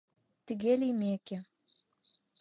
Тыге лиймеке.